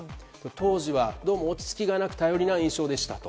当時は、どうも落ち着きがなく頼りない印象でしたと。